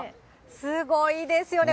すごいですよね。